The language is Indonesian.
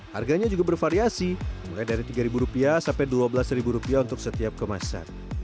harganya juga bervariasi mulai dari rp tiga sampai rp dua belas rupiah untuk setiap kemasan